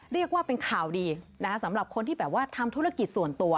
เรียกว่าเป็นข่าวดีนะคะสำหรับคนที่แบบว่าทำธุรกิจส่วนตัว